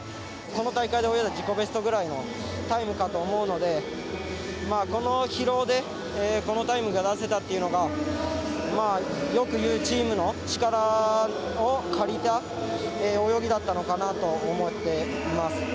この大会で泳いだ自己ベストくらいのタイムかと思うのでこの疲労で、このタイムが出せたっていうのがよくいうチームの力を借りた泳ぎだったのかなと思っています。